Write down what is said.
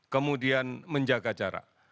kemudian menjaga jarak